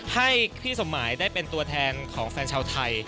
ให้พี่สมหมายได้เป็นตัวแทนของแฟนชาวไทย